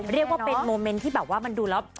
เรียกว่าเป็นโมเมนต์ที่แบบว่ามันดูแล้ว